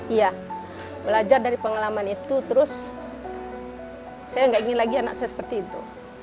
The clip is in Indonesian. iya belajar dari pengalaman itu terus saya nggak ingin lagi anak saya seperti itu